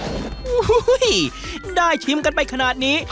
โอ้โหได้ชิมกันไปขนาดนี้